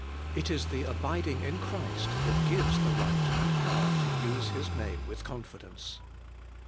It is the abiding in Christ that gives the right and power to use His name with confidence.